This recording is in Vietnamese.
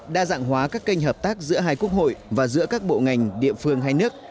đa dạng hóa các kênh hợp tác giữa hai quốc hội và giữa các bộ ngành địa phương hai nước